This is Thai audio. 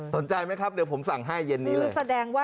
สนใจไหมครับเดี๋ยวผมสั่งให้เย็นนี้เลย